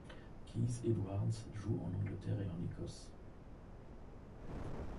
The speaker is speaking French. Keith Edwards joue en Angleterre et en Écosse.